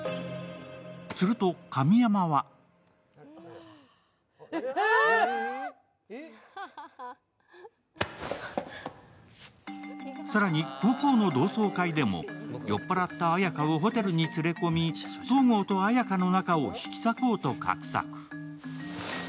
すると、神山は更に、高校の同窓会でも酔っ払った綾華をホテルに連れ込み、東郷と綾華の仲をひき裂こうと画策。